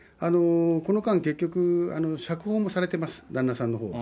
この間、結局、釈放もされてます、旦那さんのほうが。